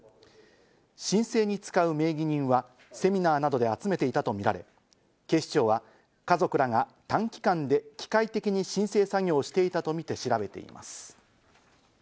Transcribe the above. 申請に使う名義人はセミナーなどで集めていたとみられ、警視庁は家族らが短期間で機械的に申請作業をしていたとみて調べています。